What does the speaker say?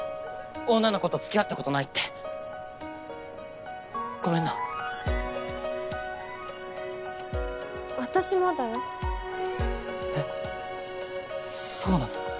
女の子とつきあったことなごめんな私もだよえっそうなの？